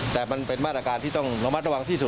แต่มันเป็นมาตรการที่ต้องระมัดระวังที่สุด